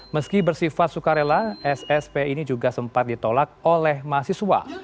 meski bersifat sukarela ssp ini juga sempat ditolak oleh mahasiswa